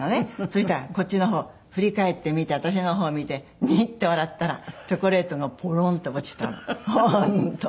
そしたらこっちの方振り返って見て私の方見てニッて笑ったらチョコレートがポロンって落ちたの本当に。